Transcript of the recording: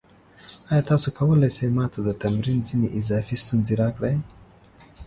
ایا تاسو کولی شئ ما ته د تمرین ځینې اضافي ستونزې راکړئ؟